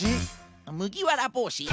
むぎわらぼうし？